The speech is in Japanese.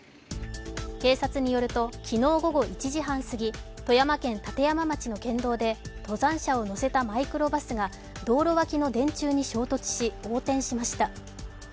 警察によると、昨日午後１時半過ぎ、富山県立山町の県道で登山者を乗せたマイクロバスが道路脇の電柱に衝突し横転しました。